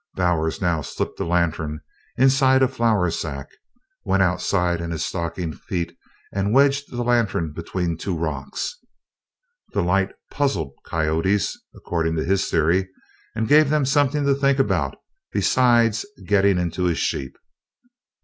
Bowers now slipped the lantern inside a flour sack, went outside in his stocking feet, and wedged the lantern between two rocks. The light "puzzled" coyotes, according to his theory, and gave them something to think about besides getting into his sheep.